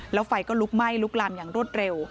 แล้วไฟก็ลุกไหม้ลุกลามอย่างรวดเร็ว